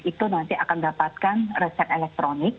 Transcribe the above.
itu nanti akan dapatkan resep elektronik